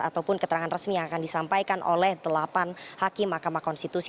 ataupun keterangan resmi yang akan disampaikan oleh delapan hakim mahkamah konstitusi